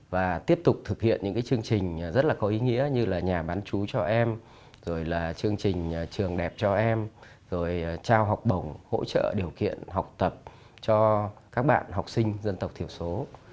và tiếp tục thực hiện những chương trình rất là có ý nghĩa như là nhà bán chú cho em rồi là chương trình trường đẹp cho em rồi trao học bổng hỗ trợ điều kiện học tập cho các bạn học sinh dân tộc thiểu số